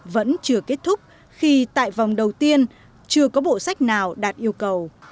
vẫn chưa kết thúc khi tại vòng đầu tiên chưa có bộ sách nào đạt yêu cầu